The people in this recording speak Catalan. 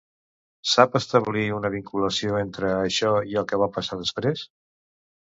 Sap establir una vinculació entre això i el que va passar després?